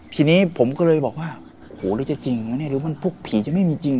ทีนี้ผมก็เลยบอกว่าโหหรือจะจริงวะเนี่ยหรือมันพวกผีจะไม่มีจริง